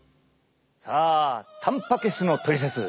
さあたんぱく質のトリセツ